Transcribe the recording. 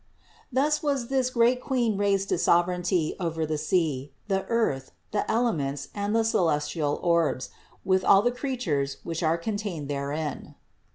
Thus was this great Queen raised to Sovereignty over the sea, the earth, the elements and the celestial orbs, with all the creatures, which are contained therein.